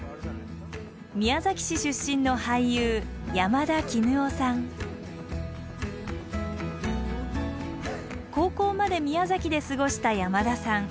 宮崎市出身の俳優高校まで宮崎で過ごした山田さん。